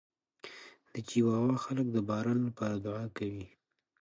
د چیواوا خلک د باران لپاره دعا کوي.